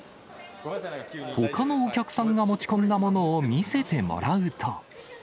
ほかのお客さんが持ち込んだものを見せてもらうと。